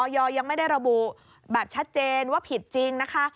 ยังไม่ได้ระบุแบบชัดเจนว่าผิดจริงนะคะ